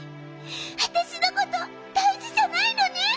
わたしのことだいじじゃないのね！